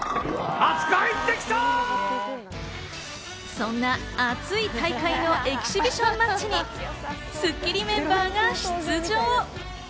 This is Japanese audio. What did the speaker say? そんな熱い大会のエキシビションマッチにスッキリメンバーが出場。